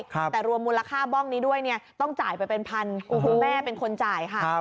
แต่รวมมูลค่าบ้องนี้ด้วยเนี่ยต้องจ่ายไปเป็นพันคุณแม่เป็นคนจ่ายค่ะ